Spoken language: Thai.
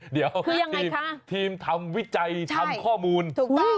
เดี๋ยวทีมทำวิจัยทำข้อมูลคือยังไงคะ